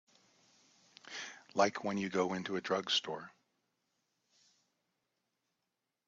Like when you go into a drugstore.